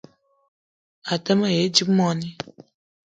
A te ma yi dzip moni